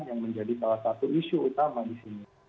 yang menjadi salah satu isu utama di sini